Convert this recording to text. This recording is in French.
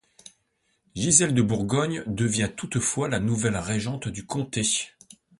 Gisèle de Bourgogne devient toutefois la nouvelle régente du comté.